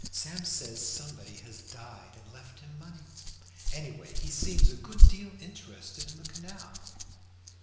Sam says somebody has died and left him money. Anyway, he seems a good deal interested in the canal."